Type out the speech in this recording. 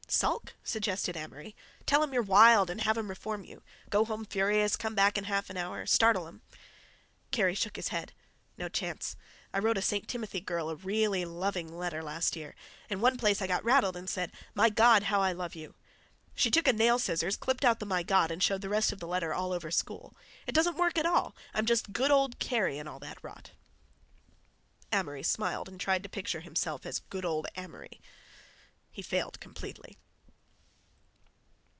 "Sulk," suggested Amory. "Tell 'em you're wild and have 'em reform you—go home furious—come back in half an hour—startle 'em." Kerry shook his head. "No chance. I wrote a St. Timothy girl a really loving letter last year. In one place I got rattled and said: 'My God, how I love you!' She took a nail scissors, clipped out the 'My God' and showed the rest of the letter all over school. Doesn't work at all. I'm just 'good old Kerry' and all that rot." Amory smiled and tried to picture himself as "good old Amory." He failed completely.